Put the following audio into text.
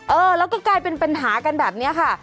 เออแล้วก็กลายเป็นปัญหากันแบบนี้ค่ะ